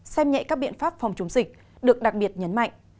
xem nhẹ các biện pháp phòng chống dịch được đặc biệt nhấn mạnh